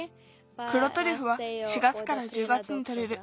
くろトリュフは４月から１０月にとれる。